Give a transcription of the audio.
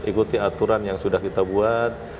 ikuti aturan yang sudah kita buat